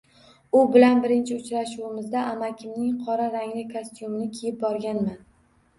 U bilan birinchi uchrashuvimizga amakimning qora rangli kostyumini kiyib borganman.